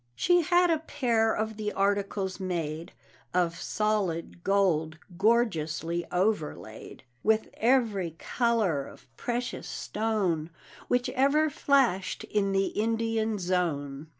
She had a pair of the articles made, Of solid gold, gorgeously overlaid With every color of precious stone Which ever flashed in the Indian zone.